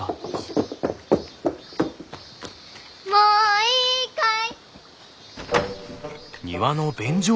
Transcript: もういいかい？